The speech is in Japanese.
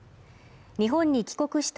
日本に帰国した